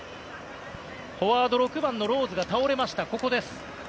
フォワードの６番、ローズが倒れました。